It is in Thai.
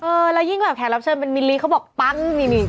เออแล้วยิ่งแขกรับเชิญเป็นมิลลี้เขาบอกปั๊ง